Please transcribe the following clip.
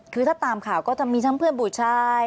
คือถ้าตามข่าวก็จะมีทั้งเพื่อนผู้ชาย